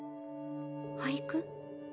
俳句？